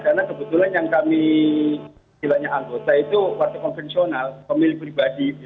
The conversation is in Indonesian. karena kebetulan yang kami silahkan anggota itu warteg konvensional pemilik pribadi